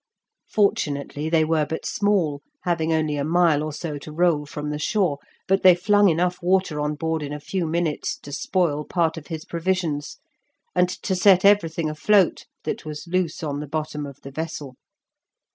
Fortunately they were but small, having only a mile or so to roll from the shore, but they flung enough water on board in a few minutes to spoil part of his provisions, and to set everything afloat that was loose on the bottom of the vessel.